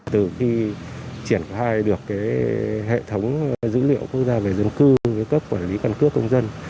từ khi triển khai được hệ thống dữ liệu quốc gia về dân cư cấp quản lý căn cước công dân